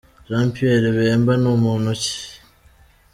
Jean Pierre Bemba ni muntu ki?.